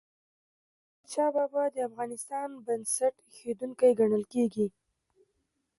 احمدشاه بابا د افغانستان بنسټ ايښودونکی ګڼل کېږي.